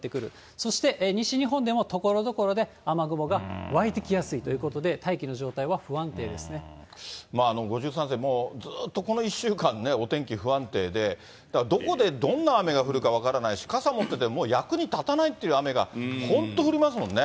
そして西日本でもところどころで雨雲が湧いてきやすいということ５３世、もうずっとこの１週間ね、お天気不安定で、だからどこでどんな雨が降るか分からないし、傘持ってても役に立たないっていう雨が本当降りますもんね。